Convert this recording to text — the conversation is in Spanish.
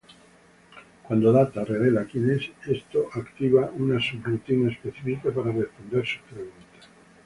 Cuando Data revela quien es, esto activa una subrutina específica para responder sus preguntas.